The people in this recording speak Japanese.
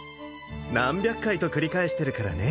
何百回と繰り返してるからね